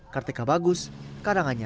kartika bagus karanganyar